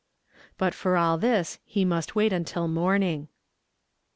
But for all this he must wait until morning.